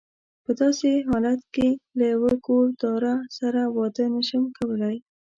په داسې حالت کې له یوه کور داره سره واده نه شم کولای.